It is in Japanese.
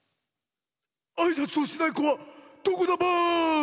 ・あいさつをしないこはどこだバーン！